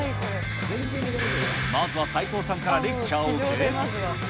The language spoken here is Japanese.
まずは齋藤さんからレクチャーを受け。